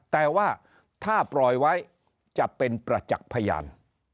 แต่ว่าถ้าปล่อยไว้จะเป็นประจักษ์พยาน